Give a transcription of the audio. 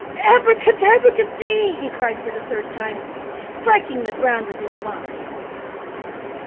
"Abraca dabraca dee!" he cried for the third time, striking the ground with his wand.